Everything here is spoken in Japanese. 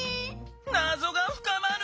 なぞがふかまる！